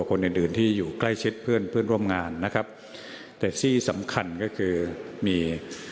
คนอื่นอื่นที่อยู่ใกล้ชิดเพื่อนเพื่อนร่วมงานนะครับแต่ที่สำคัญก็คือมี